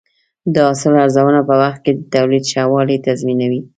د حاصل ارزونه په وخت کې د تولید ښه والی تضمینوي.